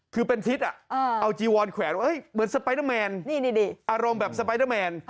คือเป็นทิศเอาจีวอนแขวนไว้เหมือนสไปเดอร์แมนอารมณ์แบบสไปเดอร์แมน